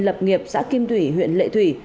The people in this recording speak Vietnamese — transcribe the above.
lập nghiệp xã kim thủy huyện lệ thủy